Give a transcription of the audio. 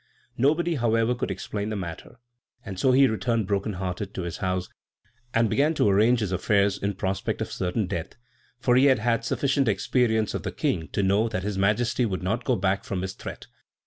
Nobody, however, could explain the matter; and so he returned broken hearted to his house, and began to arrange his affairs in prospect of certain death, for he had had sufficient experience of the king to know that His Majesty would not go back from his threat.